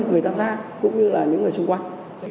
người ta ra cũng như là những người xung quanh